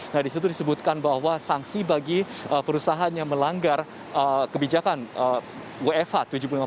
nah disitu disebutkan bahwa sanksi bagi perusahaan yang melanggar kebijakan wfh